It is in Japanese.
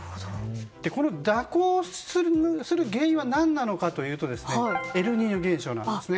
この蛇行する原因は何なのかというとエルニーニョ現象なんですね。